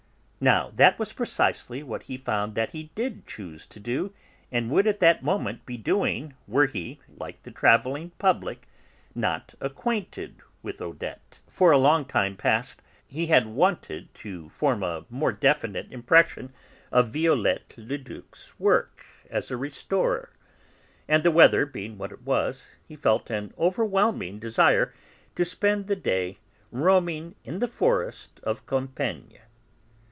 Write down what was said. Now that was precisely what he found that he did choose to do, and would at that moment be doing were he, like the travelling public, not acquainted with Odette. For a long time past he had wanted to form a more definite impression of Viollet le Duc's work as a restorer. And the weather being what it was, he felt an overwhelming desire to spend the day roaming in the forest of Compiègne.